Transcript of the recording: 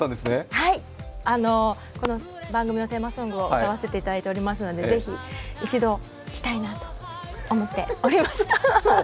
はい、この番組のテーマソングを歌わせていただいておりますので、ぜひ一度、来たいなと思っておりました。